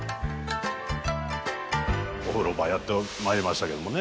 お風呂場やってまいりましたけどもね。